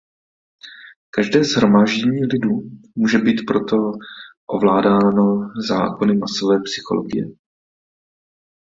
Každé shromáždění lidu může být proto ovládáno zákony masové psychologie.